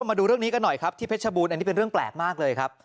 มาดูเรื่องนี้กันหน่อยครับที่เพชรบูรณอันนี้เป็นเรื่องแปลกมากเลยครับ